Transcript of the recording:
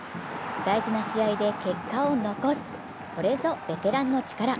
大事な試合で結果を残す、これぞベテランの力。